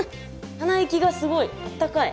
鼻息がすごいあったかい。